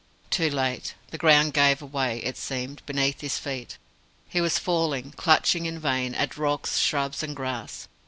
Too late. The ground gave way it seemed beneath his feet. He was falling clutching, in vain, at rocks, shrubs, and grass.